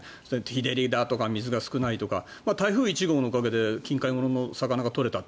日照りだとか水が少ないとか台風１号のおかげで近海物の魚が取れた。